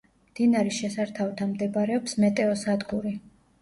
მდინარის შესართავთან მდებარეობს მეტეოსადგური.